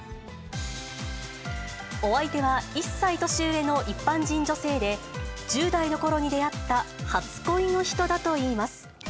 お相手は、１歳年上の一般人女性で、１０代のころに出会った初恋の人だといいます。